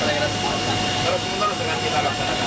terus terusan kita laksanakan